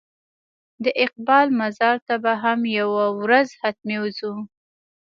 د اقبال مزار ته به هم یوه ورځ حتمي ځو.